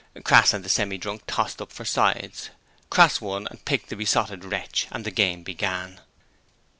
Crass and the Semi drunk tossed up for sides. Crass won and picked the Besotted Wretch, and the game began.